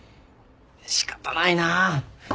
仕方ないな！